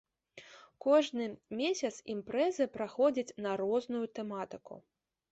Кожны месяц імпрэзы праходзяць на розную тэматыку.